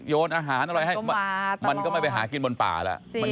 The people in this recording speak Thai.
โยนอาหารอะไรให้มันก็ไม่ไปหากินบนป่าแล้ว